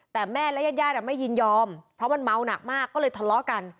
แต่แม่และญาติญาติไม่ยินยอมเพราะมันเมาหนักมากก็เลยทะเลาะกัน